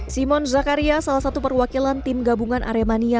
simon zakaria salah satu perwakilan tim gabungan aremania